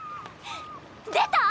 出た？